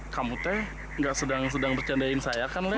kamu teh gak sedang sedang bercandain saya kan lek